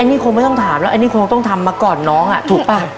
อันนี้คงไม่ต้องถามแล้วอันนี้คงต้องทำมาก่อนน้องอ่ะถูกป่ะ